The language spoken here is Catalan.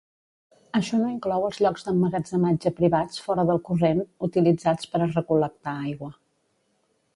Això no inclou els llocs d'emmagatzematge privats fora del corrent utilitzats per a recol·lectar aigua.